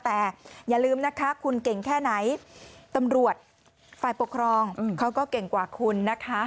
แต่อย่าลืมนะคะคุณเก่งแค่ไหนตำรวจฝ่ายปกครองเขาก็เก่งกว่าคุณนะคะ